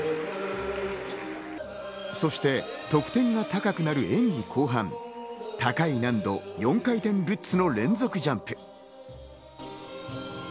そして得点が高くなる演技後半、高い難度、４回転ルッツの連続ジャンプ。